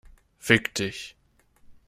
Fick dich!